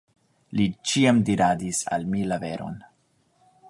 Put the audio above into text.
Li ĉiam diradis al mi la veron.